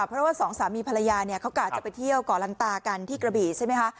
เพราะว่าสองสามีภรรยาเนี่ยเขากะจะไปเที่ยวก่อลันตากันที่กระบี่ใช่ไหมคะ